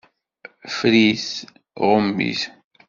Ffer-it, ɣum-it.